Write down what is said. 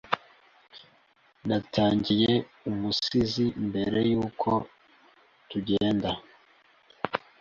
Natangiye Umusizi mbere yuko tugenda